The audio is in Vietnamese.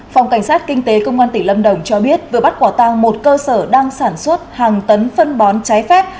phòng cảnh sát kinh tế công an tỉnh lâm đồng cho biết vừa bắt quả tăng một cơ sở đang sản xuất hàng tấn phân bón trái phép